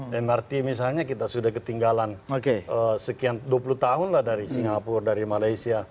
yang berarti misalnya kita sudah ketinggalan sekian dua puluh tahun dari singapura dari malaysia